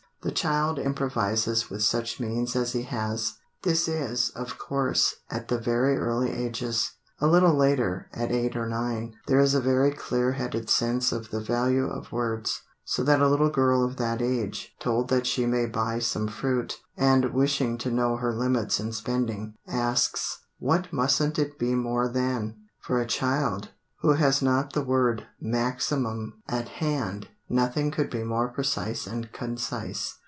The child improvises with such means as he has. This is, of course, at the very early ages. A little later at eight or nine there is a very clear headed sense of the value of words. So that a little girl of that age, told that she may buy some fruit, and wishing to know her limits in spending, asks, "What mustn't it be more than?" For a child, who has not the word "maximum" at hand, nothing could be more precise and concise.